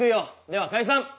では解散。